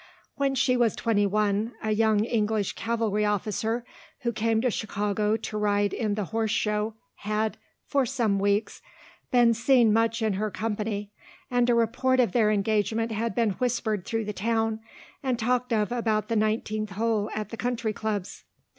When she was twenty one, a young English cavalry officer, who came to Chicago to ride in the horse show had, for some weeks, been seen much in her company and a report of their engagement had been whispered through the town and talked of about the nineteenth hole at the country clubs.